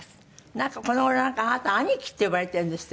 なんかこの頃あなたアニキって呼ばれてるんですって？